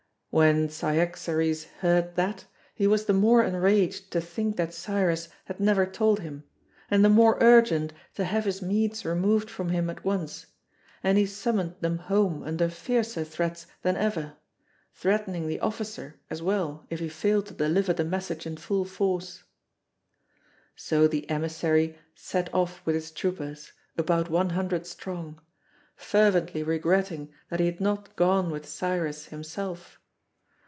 When Cyaxares heard that, he was the more enraged to think that Cyrus had never told him, and the more urgent to have his Medes removed from him at once, and he summoned them home under fiercer threats than ever; threatening the officer as well if he failed to deliver the message in full force. So the emissary set off with his troopers, about one hundred strong, fervently regretting that he had not gone with Cyrus himself.